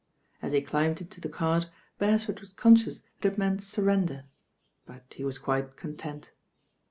As he climbed into the cart, Beresford was con sdous that it meant surrender; but he was quite content.